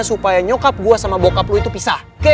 supaya nyokap gua sama bokap lu itu pisah oke